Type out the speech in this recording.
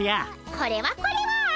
これはこれは。